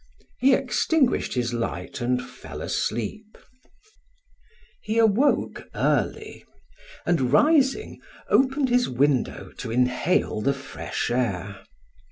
He extinguished his light and fell asleep. He awoke early, and, rising, opened his window to inhale the fresh air.